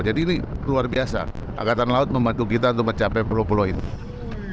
jadi ini luar biasa agatan laut membantu kita untuk mencapai pulau pulau ini